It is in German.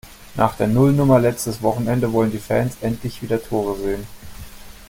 Nach der Nullnummer letztes Wochenende wollen die Fans endlich wieder Tore sehen.